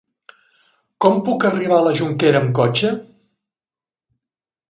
Com puc arribar a la Jonquera amb cotxe?